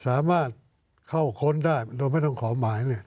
สามารถเข้าค้นได้โดยไม่ต้องขอหมาย